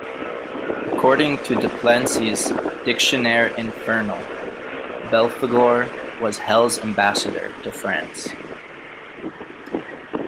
According to De Plancy's "Dictionnaire Infernal", Belphegor was Hell's ambassador to France.